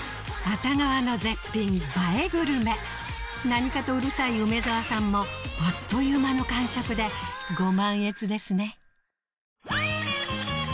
熱川の絶品映えグルメ何かとうるさい梅沢さんもあっという間の完食でご満悦ですね